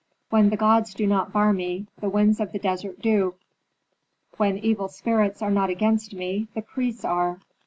When the gods do not bar me, the winds of the desert do; when evil spirits are not against me, the priests are.